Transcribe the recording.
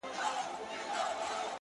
ما يې اوږده غمونه لنډي خوښۍ نه غوښتې _